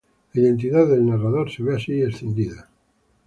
La identidad del narrador se ve así escindida.